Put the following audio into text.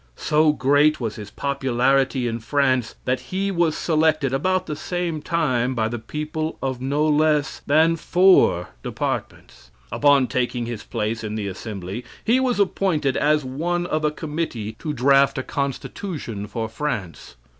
So great was his popularity in France, that he was selected about the same time by the people of no less than four departments. Upon taking his place in the assembly, he was appointed as one of a committee to draft a constitution for France.